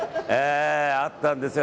あったんですが。